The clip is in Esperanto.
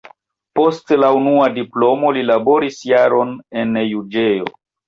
Post la unua diplomo li laboris jaron en juĝejo.